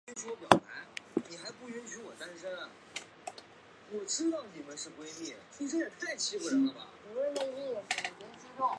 龙提尼翁人口变化图示